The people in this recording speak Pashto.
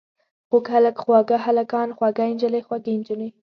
خوږ هلک، خواږه هلکان، خوږه نجلۍ، خوږې نجونې.